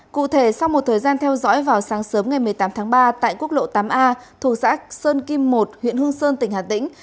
cụ thể sau một thời gian theo dõi vào sáng sớm ngày một mươi tám tháng ba tại quốc lộ tám a thuộc xã sơn kim một huyện hương sơn tỉnh hà tĩnh